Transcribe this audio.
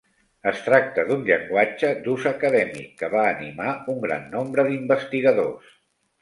Es tracta d'un llenguatge d'ús acadèmic, que va animar un gran nombre d'investigadors.